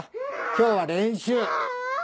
今日は練習。